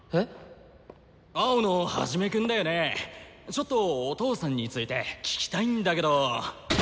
ちょっとお父さんについて聞きたいんだけど！